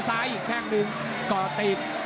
ซ้ายอีกแทงนึงก่อตีด